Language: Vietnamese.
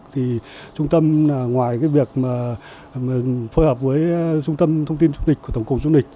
thì trung tâm ngoài việc phơi hợp với trung tâm thông tin du lịch của tổng cụm du lịch